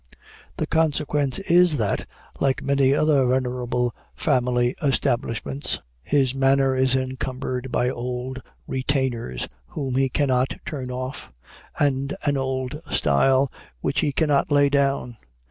The consequence is, that, like many other venerable family establishments, his manor is encumbered by old retainers whom he cannot turn off, and an old style which he cannot lay down.